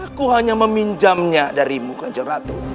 aku hanya meminjamnya darimu kajang ratu